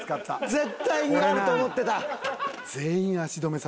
絶対にあると思ってた。